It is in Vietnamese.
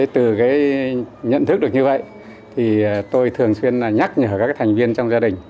từ nhận thức được như vậy thì tôi thường xuyên nhắc nhở các thành viên trong gia đình